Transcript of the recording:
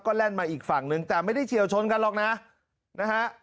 แล่นมาอีกฝั่งนึงแต่ไม่ได้เฉียวชนกันหรอกนะนะฮะ